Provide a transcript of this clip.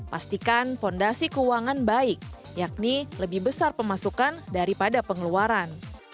pastikan fondasi keuangan baik yakni lebih besar pemasukan daripada pengeluaran